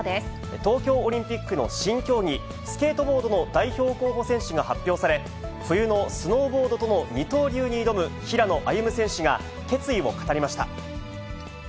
東京オリンピックの新競技、スケートボードの代表候補選手が発表され、冬のスノーボードとの二刀流に挑む平野歩夢選手が決意を語りました。